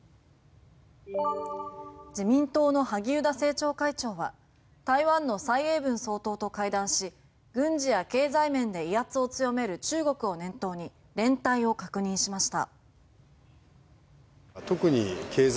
自民党の萩生田政調会長は台湾の蔡英文総統と会談し軍事や経済面で威圧を強める中国を念頭に連帯を確認しました。